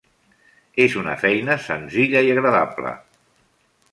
És una feina senzilla i agradable.